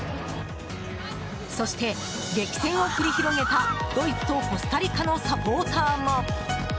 そして、激戦を繰り広げたドイツとコスタリカのサポーターも。